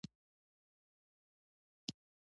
البته په دې اړه به کومه خاصه بېړه نه وي.